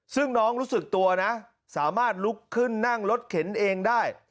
ซึ่งน้องรู้สึกตัวนะสามารถลุกขึ้นนั่งรถเข็นเองได้